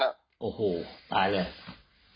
โอ้โหตายเลย